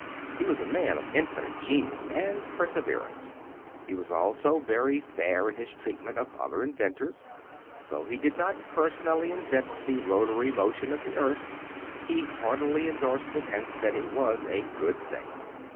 He was a man of infinite genius and perseverance. He was also very fair in his treatment of other inventors. Though he did not personally invent the rotary motion of the earth, he heartily indorsed it and said it was a good thing.